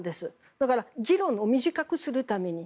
だから、議論を短くするために。